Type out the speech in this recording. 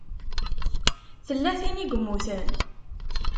Tella tin i yemmuten?